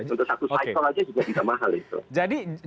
contoh satu cycle aja juga tidak mahal itu